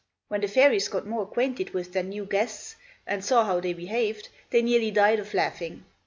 When the fairies got more acquainted with their new guests, and saw how they behaved, they nearly died of laughing.